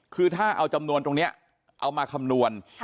คือถ้าเอาจำนวนตรงนี้เอามาคำนวณ